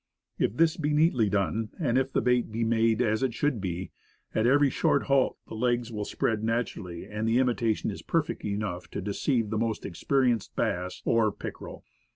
If this be neatly done, and if the bait be made as it should be, at every short halt the legs will spread naturally, and the imitation is perfect enough to deceive the most experienced bass or pickerel.